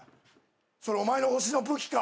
それお前の星の武器か？